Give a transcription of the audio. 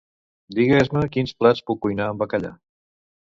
Digues-me quins plats puc cuinar amb bacallà.